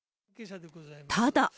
ただ。